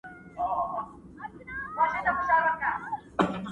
• لېونو سره پرته د عشق معنا وي.